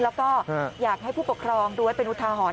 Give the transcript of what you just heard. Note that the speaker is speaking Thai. แล้วก็อยากให้ผู้ปกครองดูไว้เป็นอุทาหรณ์